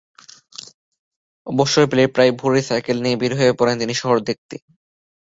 অবসর পেলে প্রায়ই ভোরে সাইকেল নিয়ে বের হয়ে পড়েন তিনি শহর দেখতে।